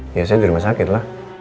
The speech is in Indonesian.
biasanya di rumah sakit lah